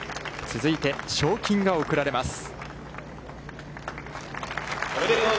続いて、賞金が贈られます。